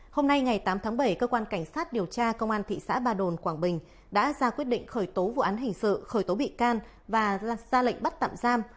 hôm nay ngày tám tháng bảy cơ quan cảnh sát điều tra công an thị xã ba đồn quảng bình đã ra quyết định khởi tố vụ án hình sự khởi tố bị can và ra lệnh bắt tạm giam